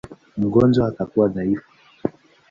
Mgonjwa atakuwa dhaifu.